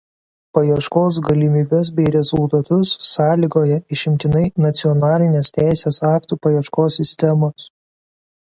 Paieškos galimybes bei rezultatus sąlygoja išimtinai nacionalinės teisės aktų paieškos sistemos.